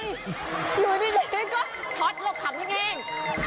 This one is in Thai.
อยู่ดีก็ช็อตลกคำแห้ง